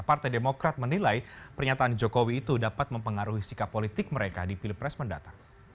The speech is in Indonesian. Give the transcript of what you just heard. partai demokrat menilai pernyataan jokowi itu dapat mempengaruhi sikap politik mereka di pilpres mendatang